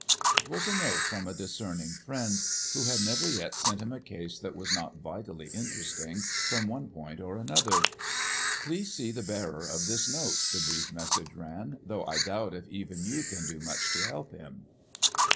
It was a note from a discerning friend, who had never yet sent him a case that was not vitally interesting from one point or another. "Please see the bearer of this note," the brief message ran, "though I doubt if even you can do much to help him."